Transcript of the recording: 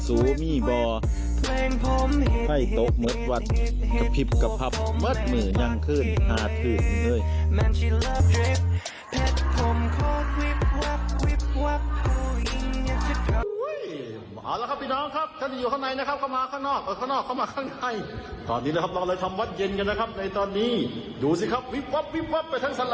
โอ้โหใครไม่มาถึงว่าไม่เคยเห็นนะครับสาลาวัดเราวิบวับวิบวับ